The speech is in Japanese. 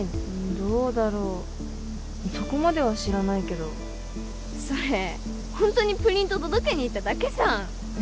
どうだろうそこまでは知らないけどそれホントにプリント届けに行っただけじゃん